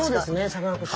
さかなクン